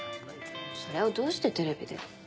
それをどうしてテレビで？